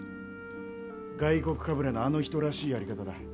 外国かぶれのあの人らしいやり方だ。